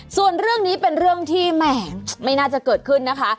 ส่วนเรื่องนี้เป็นเรื่องที่แหมไม่น่าจะเกิดขึ้นนะคะ